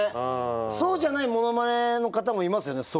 そうじゃないモノマネの方もいますよね